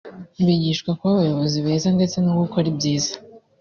bigishwa kuba abayobozi beza ndetse no gukora ibyiza